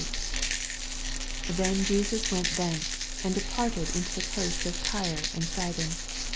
21—28. 21 Then Jesus went tbenoe, and departed into the coasts of Tyre and Sidon.